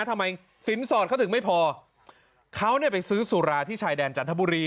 ทำไมสินสอดเขาถึงไม่พอเขาเนี่ยไปซื้อสุราที่ชายแดนจันทบุรี